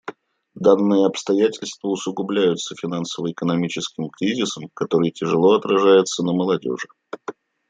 Данные обстоятельства усугубляются финансово-экономическим кризисом, который тяжело отражается на молодежи.